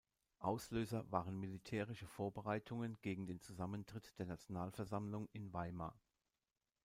Auslöser waren militärische Vorbereitungen gegen den Zusammentritt der Nationalversammlung in Weimar.